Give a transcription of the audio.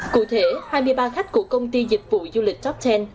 cụ thể hai mươi ba khách của công ty dịch vụ du lịch top một mươi